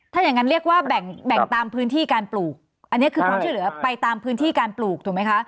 ถ้าอย่างนั้นเรียกว่าแบ่งตามพื้นที่การปลูกอันนี้คือความช่วยเหลือไปตามพื้นที่การปลูกถูกไหมคะ